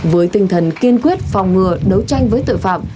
với tinh thần kiên quyết phòng ngừa đấu tranh với tội phạm